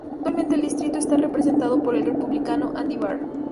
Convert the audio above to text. Actualmente el distrito está representado por el Republicano Andy Barr.